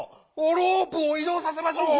ロープをいどうさせましょう！